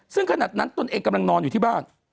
ซึ่งขนาดนั้นตนเองกำลังนอนอยู่ที่บ้าน